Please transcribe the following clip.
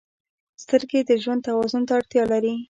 • سترګې د ژوند توازن ته اړتیا لري.